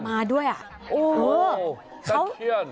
มาด้วยอ่ะโอ้โห